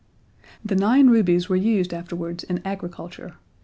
The nine rubies were used afterwards in agriculture.